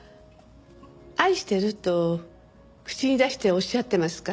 「愛してる」と口に出しておっしゃってますか？